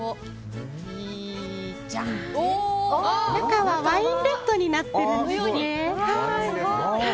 中はワインレッドになっているんです。